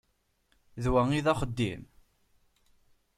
D wa i d axeddim!